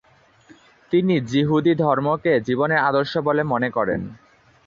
তিনি যিহূদী ধর্মকে জীবনের আদর্শ বলে মনে করেন।